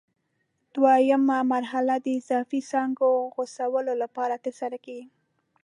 دوه یمه مرحله د اضافي څانګو غوڅولو لپاره ترسره کېږي.